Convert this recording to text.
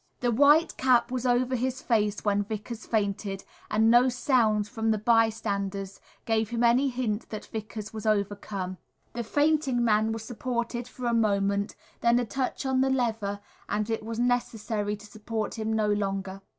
The white cap was over his face when Vickers fainted, and no sound from the bystanders gave him any hint that Vickers was overcome. The fainting man was supported for a moment, then a touch on the lever, and it was necessary to support him no longer.